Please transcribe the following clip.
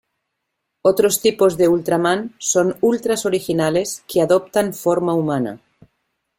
Otros tipos de Ultraman son Ultras originales, que adoptan forma humana.